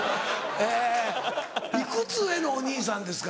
えいくつ上のお兄さんですか？